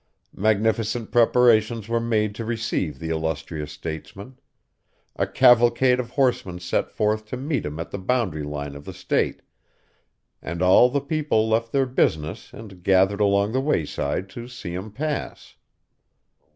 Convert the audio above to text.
Magnificent preparations were made to receive the illustrious statesman; a cavalcade of horsemen set forth to meet him at the boundary line of the State, and all the people left their business and gathered along the wayside to see him pass.